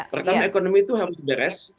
pertama ekonomi itu harus beres